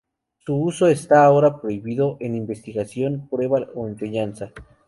Su uso está ahora prohibido en investigación, prueba o enseñanza.